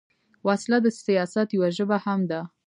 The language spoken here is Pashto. وسله د سیاست یوه ژبه هم ده